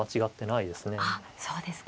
そうですか。